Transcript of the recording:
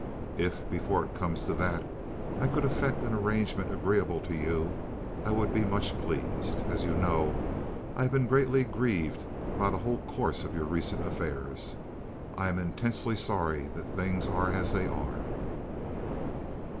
If, before it comes to that, I could effect an arrangement agreeable to you, I would be much pleased. As you know, I have been greatly grieved by the whole course of your recent affairs. I am intensely sorry that things are as they are."